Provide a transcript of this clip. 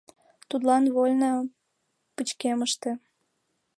Тудлан вольна пычкемыште.